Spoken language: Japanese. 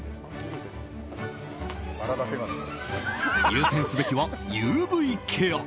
優先すべきはＵＶケア。